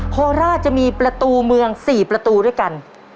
โคราชจะมีประตูเมือง๔ประตูด้วยกัน